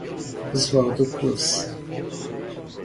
Osvaldo Cruz